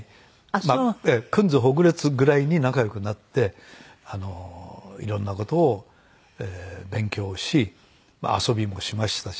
組んずほぐれつぐらいに仲良くなっていろんな事を勉強しまあ遊びもしましたし。